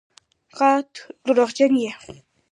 غټ دروغجن یې